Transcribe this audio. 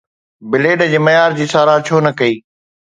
Blade جي معيار جي ساراهه ڇو نه ڪئي؟